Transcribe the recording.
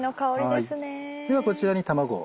ではこちらに卵を。